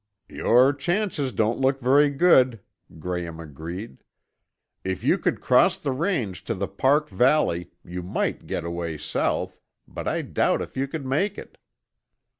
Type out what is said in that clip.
"Your chances don't look very good," Graham agreed. "If you could cross the range to the park valley, you might get away south, but I doubt if you could make it."